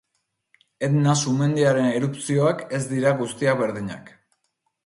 Etna sumendiaren erupzioak ez dira guztiak berdinak.